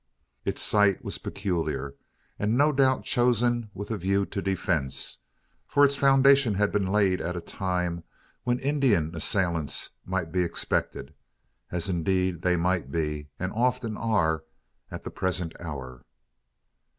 Its site was peculiar, and no doubt chosen with a view to defence: for its foundations had been laid at a time when Indian assailants might be expected; as indeed they might be, and often are, at the present hour.